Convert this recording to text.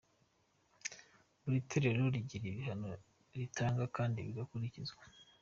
Buri Torero rigira ibihano ritanga kandi bigakurikizwa.